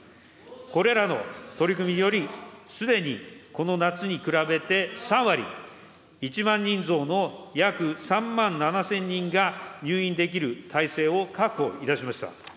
これらの取り組みにより、すでにこの夏に比べて３割、１万人増の約３万７０００人が入院できる体制を確保いたしました。